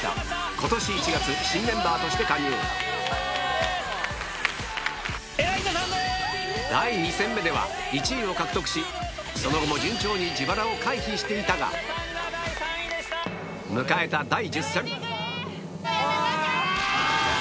今年１月新メンバーとして加入第２戦目では１位を獲得しその後も順調に自腹を回避していたが迎えた第１０戦